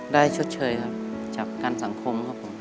ได้ชดเชยครับจากการสำคัญ